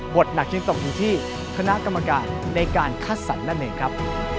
หนักจึงตกอยู่ที่คณะกรรมการในการคัดสรรนั่นเองครับ